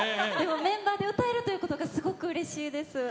メンバーで歌えることがすごくうれしいです。